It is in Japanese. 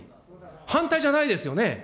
反対じゃないですよね。